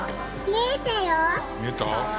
見えた？